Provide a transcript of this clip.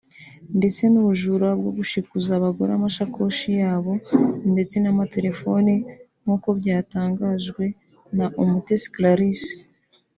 ndetse n’ubujura bwo gushikuza abagore amashakoshi yabo ndetse n’amatelefoni nk’uko byatangajwe na Umutesi Clarisse